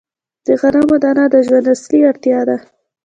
د غنمو دانه د ژوند اصلي اړتیا ده.